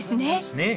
ねえ。